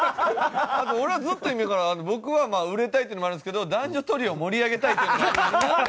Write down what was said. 俺はずっと僕は売れたいっていうのもあるんですけど男女トリオを盛り上げたいっていうのがある。